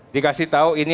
dikasih tahu ini